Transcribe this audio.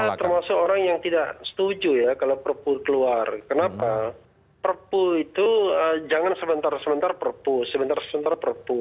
ya termasuk orang yang tidak setuju ya kalau perpu keluar kenapa perpu itu jangan sebentar sebentar perpu sebentar sebentar perpu